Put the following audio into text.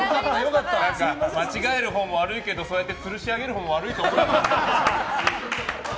間違えるほうも悪いけどそうやってつるし上げるほうも悪いってことです。